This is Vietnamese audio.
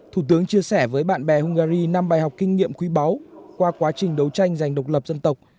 thủ tướng chia sẻ với bạn bè hungary năm bài học kinh nghiệm quý báu qua quá trình đấu tranh giành độc lập dân tộc